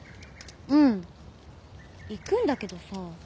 うん行くんだけどさ。